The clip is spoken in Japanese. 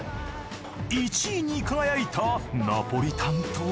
１位に輝いたナポリタンとは。